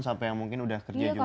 sampai mungkin udah kerja juga